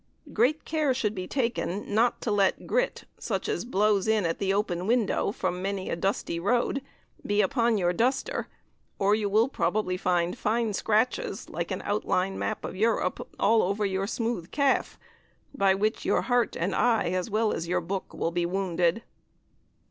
Great care should be taken not to let grit, such as blows in at the open window from many a dusty road, be upon your duster, or you will probably find fine scratches, like an outline map of Europe, all over your smooth calf, by which your heart and eye, as well as your book, will be wounded.